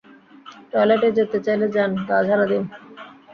টয়লেটে যেতে চাইলে যান, গা ঝাড়া দিন।